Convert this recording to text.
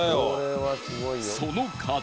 その数